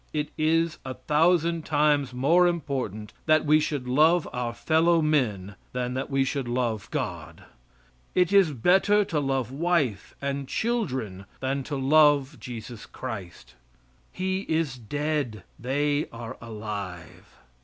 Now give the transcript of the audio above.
It is a thousand times more important that we should love our fellow men than that we should love God. It is better to love wife and children than to love Jesus Christ, He is dead; they are alive.